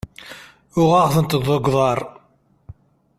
Uɣeɣ-tent deg uḍar.